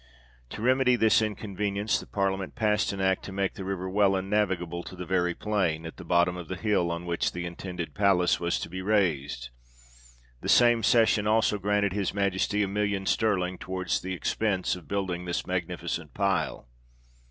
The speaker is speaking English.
To remedy this inconvenience, the parliament passed an act to make the river Welland navigable to the very plain, at the bottom of the hill on which the intended palace was to be raised. The same session also granted his Majesty a million sterling towards the expence of building this magnificent pile.